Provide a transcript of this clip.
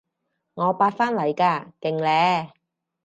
我八返嚟㗎，勁呢？